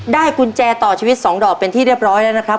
กุญแจต่อชีวิต๒ดอกเป็นที่เรียบร้อยแล้วนะครับ